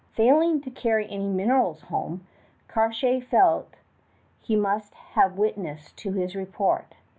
Failing to carry any minerals home, Cartier felt he must have witnesses to his report.